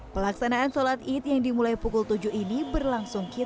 pelaksanaan sholat id yang dimulai pukul tujuh ini berlangsung hits